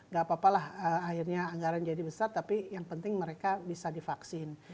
gak apa apa lah akhirnya anggaran jadi besar tapi yang penting mereka bisa divaksin